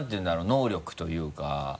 能力というか。